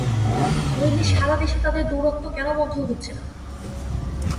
নইলে সারা দেশে তাঁদের দৌরাত্ম্য কেন বন্ধ হচ্ছে না?